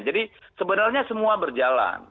jadi sebenarnya semua berjalan